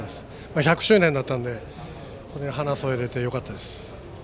１００周年だったのでそれに花を添えられてよかったです。